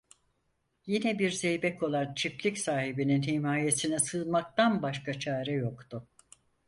Yine bir zeybek olan çiftlik sahibinin himayesine sığınmaktan başka çare yoktu.